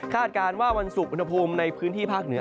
คาดการณ์ว่าวันศุกร์วันภูมิในพื้นที่ภาคเหนือ